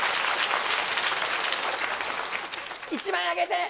１枚あげて。